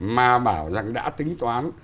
mà bảo rằng đã tính toán